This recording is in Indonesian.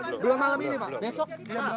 belum malam ini pak besok